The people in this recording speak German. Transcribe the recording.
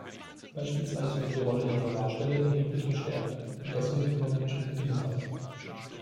Beispielsweise wird die Rolle der Verwahrstelle erheblich gestärkt und das Risikomanagement ebenfalls.